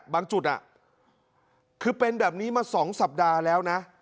บางจุดอ่ะคือเป็นแบบนี้มาสองสัปดาห์แล้วนะ